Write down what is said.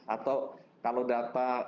atau kalau data